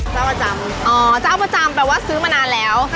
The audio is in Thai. เจ้าประจำอ๋อเจ้าประจำแปลว่าซื้อมานานแล้ว